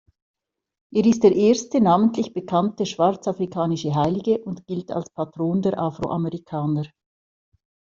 Er ist der erste namentlich bekannte schwarzafrikanische Heilige und gilt als Patron der Afroamerikaner.